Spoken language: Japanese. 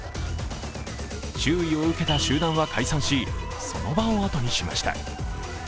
注意を受けた集団は解散し、その場を後にしました。